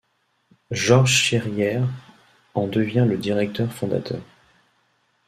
Georges Chérière en devient le directeur-fondateur.